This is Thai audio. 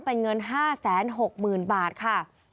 เป็นเงิน๕๖๐๐๐บาทค่ะ